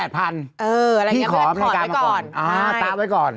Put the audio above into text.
พี่ขอในกาตามไว้ก่อน